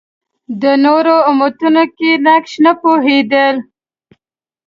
د نورو امتونو کې نقش نه پوهېدل